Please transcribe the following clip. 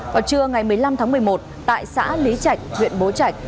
vào trưa ngày một mươi năm tháng một mươi một tại xã lý trạch huyện bố trạch